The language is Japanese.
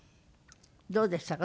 どうでしたか？